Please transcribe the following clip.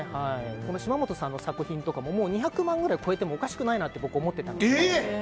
嶋本さんの作品とかも２００万ぐらいは超えてもおかしくないなって僕、思ってたんですけど。